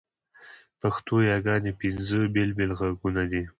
پښتو یاګاني پینځه بېل بېل ږغونه دي.